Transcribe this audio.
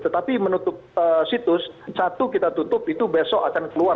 tetapi menutup situs satu kita tutup itu besok akan keluar ya lima belas dari sumber yang sama